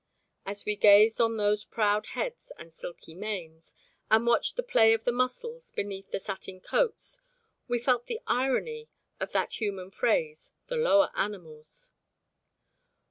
As we gazed on those proud heads and silky manes, and watched the play of the muscles beneath the satin coats, we felt the irony of that human phrase "the lower animals."